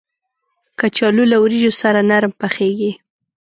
کچالو له وریجو سره نرم پخېږي